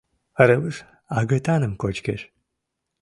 Рывыж агытаным кочкеш.